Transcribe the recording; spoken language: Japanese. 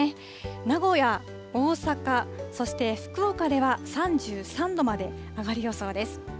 名古屋、大阪、そして福岡では３３度まで上がる予想です。